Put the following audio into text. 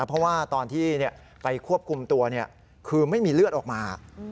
เพราะว่าตอนที่ไปควบคุมตัวคือไม่มีเลือดออกมา